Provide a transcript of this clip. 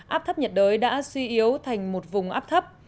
áp thấp nhiệt đới đã suy yếu thành một vùng áp thấp